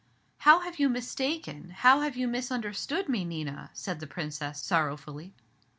"How have you mistaken, how have you misunderstood me, Nina!" said the Princess, sorrowfully.